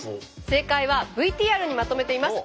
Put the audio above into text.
正解はＶＴＲにまとめています。